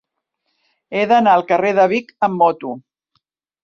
He d'anar al carrer de Vic amb moto.